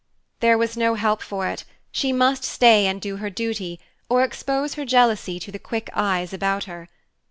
There was no help for it; she must stay and do her duty, or expose her jealousy to the quick eyes about her.